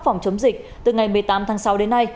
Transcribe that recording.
phòng chống dịch từ ngày một mươi tám tháng sáu đến nay